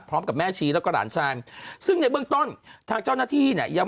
พร้อมกับแม่ชีแล้วก็หลานชายซึ่งในเบื้องต้นทางเจ้าหน้าที่เนี่ยย้ำ